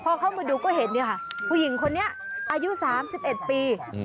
พอเข้ามาดูก็เห็นเนี่ยค่ะผู้หญิงคนนี้อายุ๓๑ปี